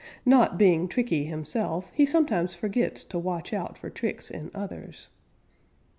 Not being tricky himself, he sometimes forgets to watch out for tricks in others.